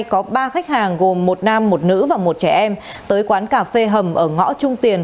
có ba khách hàng gồm một nam một nữ và một trẻ em tới quán cà phê hầm ở ngõ trung tiền